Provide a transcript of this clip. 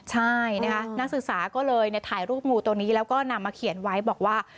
ใช่นะคะนักศึกษาก็เลยถ่ายรูปงูตัวนี้แล้วก็นำมาเขียนไว้บอกว่า